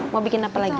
mau bikin apa lagi